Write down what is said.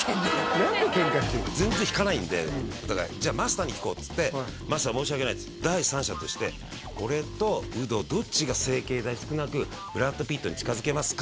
何でケンカしてんの全然引かないんでお互いじゃあマスターに聞こうっつって「マスター申し訳ない第三者として俺とウドどっちが」「整形代少なくブラッド・ピットに近づけますか？」